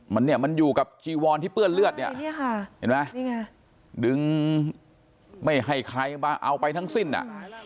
มันเนี่ยมันอยู่กับจีวอนที่เปื้อนเลือดเนี่ยดึงไม่ให้ใครเอาไปทั้งสิ้นอ่ะ